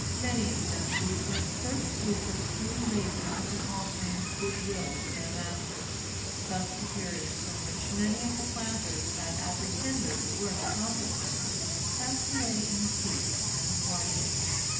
Many of them gave their first week of free labor as an offering of good will to their masters. Thus the period from which many of the planters had apprehended the worst consequences passed away in peace and harmony.